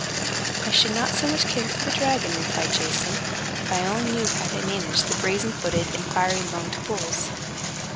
"I should not so much care for the dragon," replied Jason, "if I only knew how to manage the brazen footed and fiery lunged bulls."